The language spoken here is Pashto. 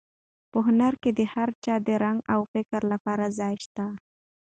په هنر کې د هر چا د رنګ او فکر لپاره ځای شته دی.